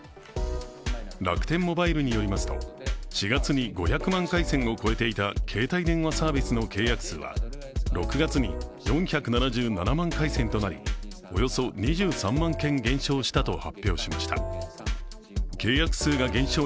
楽天モバイルによりますと４月に５００万回線を超えていた携帯電話サービスの契約数は、６月に４７７万回線となり、およそ２３万件減少したと発表しました。